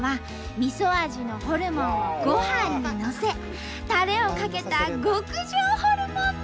みそ味のホルモンをごはんにのせたれをかけた極上ホルモン丼！